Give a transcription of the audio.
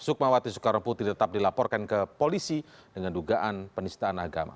sukmawati soekarno putri tetap dilaporkan ke polisi dengan dugaan penistaan agama